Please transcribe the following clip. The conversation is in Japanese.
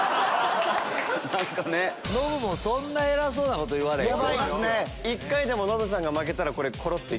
ノブもそんな偉そうなこと言われへんけどね。